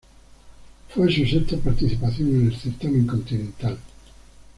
Fue su sexta participación en el certamen continental.